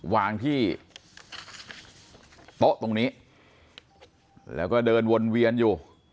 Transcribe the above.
วางที่โต๊ะตรงนี้แล้วก็เดินวนเวียนอยู่